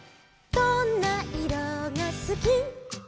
「どんないろがすき」「」